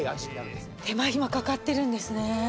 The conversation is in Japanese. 手間暇かかってるんですね。